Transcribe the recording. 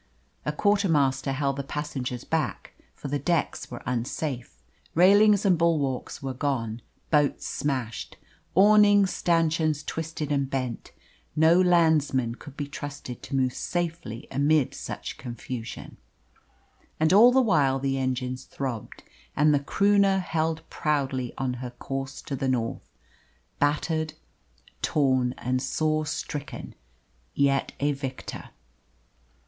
A quarter master held the passengers back, for the decks were unsafe. Railings and bulwarks were gone, boats smashed, awning stanchions twisted and bent. No landsmen could be trusted to move safely amid such confusion. And all the while the engines throbbed, and the Croonah held proudly on her course to the north battered, torn, and sore stricken, yet a victor.